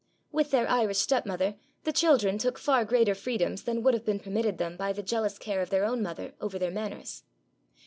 With their Irish stepmother the children took far greater freedoms than would have been permitted them by the jealous care of their own mother over their manners.